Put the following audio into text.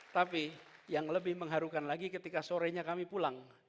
tapi yang lebih mengharukan lagi ketika sorenya kami pulang